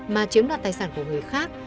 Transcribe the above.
mà chiếm đặt tài sản của người khác